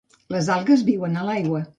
Les algues viuen a l'aigua.